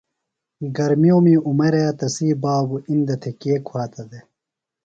گرمیومی عمرے تسی بابُوۡ اِندہ تھےۡ کے کُھواتہ دےۡ؟